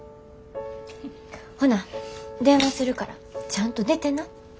ほな電話するからちゃんと出てな。